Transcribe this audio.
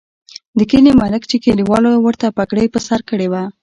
د کلي ملک چې کلیوالو ورته پګړۍ په سر کړې وه.